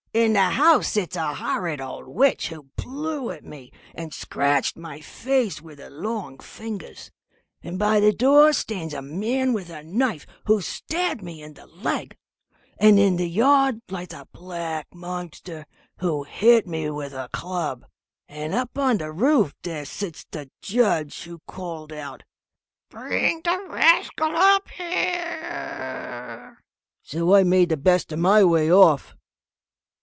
in the house sits a horrid old witch, who blew at me, and scratched my face with her long fingers; and by the door stands a man with a knife, who stabbed me in the leg; and in the yard lies a black monster, who hit me with a club; and up on the roof there sits the judge, who called out, 'Bring the rascal up here' so I made the best of my way off."